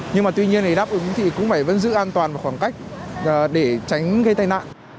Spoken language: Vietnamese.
nhưng mà tuy nhiên để đáp ứng thì cũng phải vẫn giữ an toàn vào khoảng cách để tránh gây tai nạn